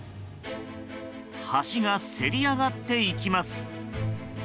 橋がせり上がっていきます。